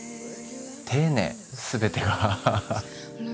丁寧全てが。